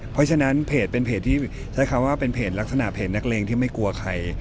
เพราะฉะนั้นเพจเป็นเพจที่ใช้คำว่าเป็นเพจลักษณะเพจนักเลงที่ไม่กลัวใคร